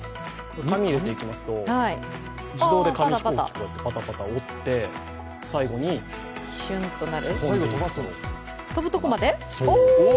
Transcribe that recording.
紙を入れていきますと自動で紙飛行機をパタパタと折って、最後に飛ばすところまで。